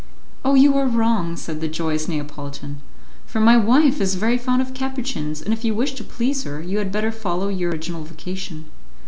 "Oh! you are wrong," said the joyous Neapolitan, "for my wife is very fond of Capuchins, and if you wish to please her, you had better follow your original vocation."